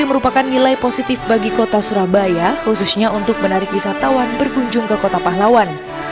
merupakan nilai positif bagi kota surabaya khususnya untuk menarik wisatawan berkunjung ke kota pahlawan